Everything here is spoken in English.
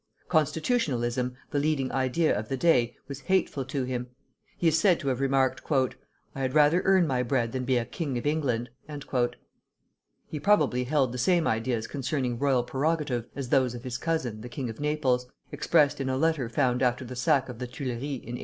Constitutionalism, the leading idea of the day, was hateful to him. He is said to have remarked, "I had rather earn my bread than be a king of England!" He probably held the same ideas concerning royal prerogative as those of his cousin, the king of Naples, expressed in a letter found after the sack of the Tuileries in 1848.